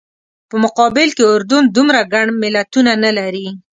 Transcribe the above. په مقابل کې اردن دومره ګڼ ملتونه نه لري.